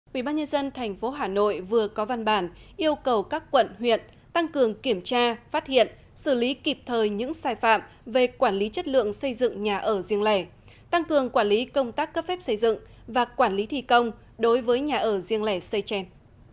quỹ ban nhân dân tp hà nội vừa có văn bản yêu cầu các quận huyện tăng cường kiểm tra phát hiện xử lý kịp thời những sai phạm về quản lý chất lượng xây dựng nhà ở riêng lẻ tăng cường quản lý công tác cấp phép xây dựng và quản lý thị công đối với nhà ở riêng lẻ xây trên